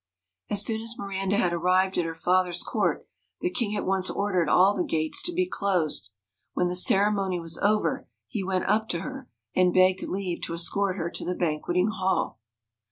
As soon as Miranda had arrived at her father's court, the king at once ordered all the gates to be closed. When the ceremony was over, he went up to her, and begged leave to escort her to the banqueting hall.